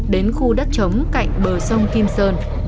đến khu đất chống cạnh bờ sông kim sơn